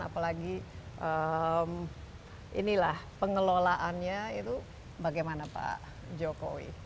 apalagi inilah pengelolaannya itu bagaimana pak jokowi